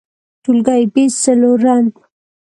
ټولګى : ب څلورم